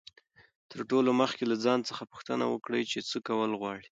تر ټولو مخکي له ځان څخه پوښتنه وکړئ، چي څه کول غواړئ.